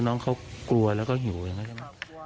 น้องเขากลัวแล้วก็หิวอย่างนั้นใช่ไหม